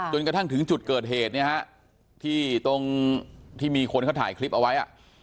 จนกระทั่งถึงจุดเกิดเหตุเนี่ยฮะที่ตรงที่มีคนเขาถ่ายคลิปเอาไว้